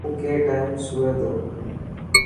تون ڪي ٽائم سوئي تو.